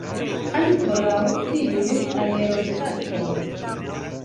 Ankoraŭ tiuj aerostatoj!